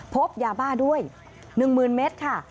พบยาบ้าด้วย๑๐๐๐เมตรค่ะ